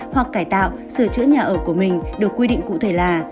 hoặc cải tạo sửa chữa nhà ở của mình được quy định cụ thể là